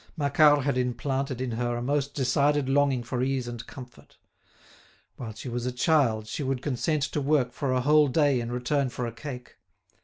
Macquart had implanted in her a most decided longing for ease and comfort. While she was a child she would consent to work for a whole day in return for a cake.